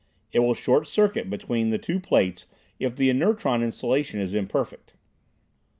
It will short circuit between the two plates if the inertron insulation is imperfect.